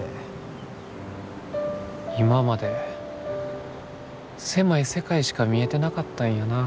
今まで狭い世界しか見えてなかったんやな。